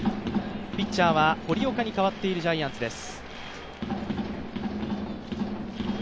ピッチャーは堀岡に代わっているジャイアンツです。